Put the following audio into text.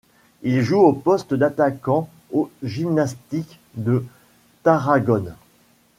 Il joue au poste d'attaquant au Gimnàstic de Tarragone.